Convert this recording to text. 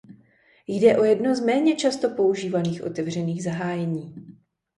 Jde o jedno z méně často používaných otevřených zahájení.